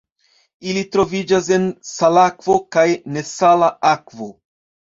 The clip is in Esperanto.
Ili troviĝas en salakvo kaj nesala akvo.